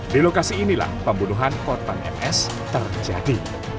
di lokasi inilah pembunuhan korban ms terjadi